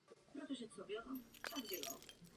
Doufáme, že to bude přechod k demokracii.